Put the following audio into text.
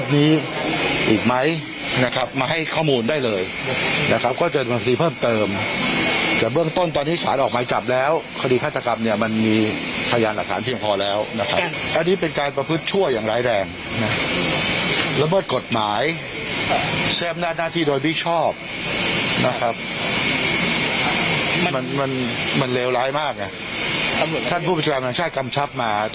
นิ้วไหนตัดทิ้งอย่างแรงระเบิดกฎหมายแซมหน้าหน้าที่โดยบิชชอบ